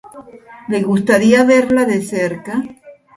Le gustaría verla de cerca.